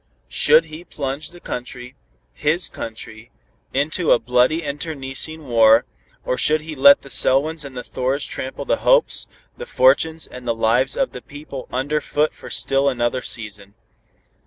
Should he plunge the country, his country, into a bloody internecine war, or should he let the Selwyns and the Thors trample the hopes, the fortunes and the lives of the people under foot for still another season.